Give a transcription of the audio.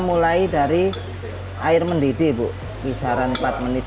kalau dari antara ketiganya nih